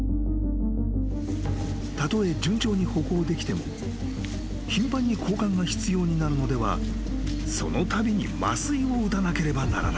［たとえ順調に歩行できても頻繁に交換が必要になるのではそのたびに麻酔を打たなければならない］